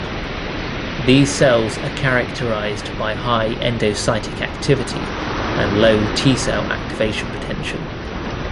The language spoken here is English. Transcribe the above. These cells are characterized by high endocytic activity and low T-cell activation potential.